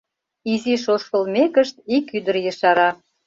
Изиш ошкылмекышт, ик ӱдыр ешара: